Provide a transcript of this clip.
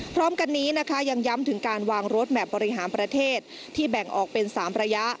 พร้อมกันนี้นะคะยังย้ำถึงการวางรถแมพบริหารประเทศที่แบ่งออกเป็น๓ระยะ